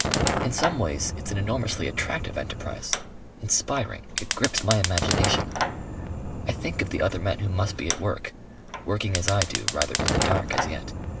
In some ways it's an enormously attractive enterprise. Inspiring. It grips my imagination. I think of the other men who must be at work. Working as I do rather in the dark as yet.